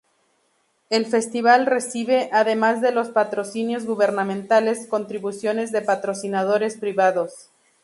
El festival recibe, además de los patrocinios gubernamentales, contribuciones de patrocinadores privados.